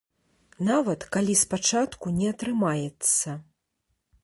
Нават калі спачатку не атрымаецца.